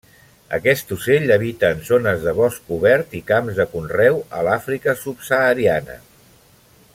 Aquest ocell habita en zones de bosc obert i camps de conreu a l'Àfrica subsahariana.